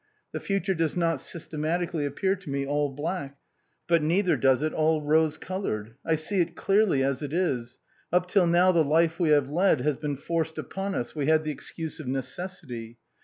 The future does not systematically appear to me all black, but neither does it all rose colored ; I see it clearly as it is. Up till now the life we have led has been forced upon us — we had the excuse of necessity.